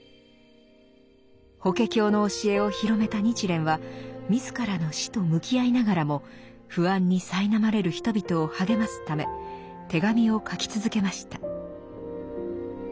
「法華経」の教えを広めた日蓮は自らの死と向き合いながらも不安にさいなまれる人々を励ますため手紙を書き続けました。